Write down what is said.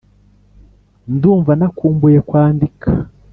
Ndumva nakumbuye kwandika